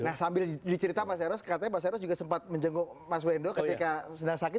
nah sambil dicerita mas eros katanya mas eros juga sempat menjenguk mas wendo ketika sedang sakit